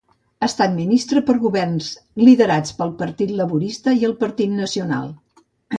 Ha estat ministre per governs liderats pel Partit Laborista i el Partit Nacional.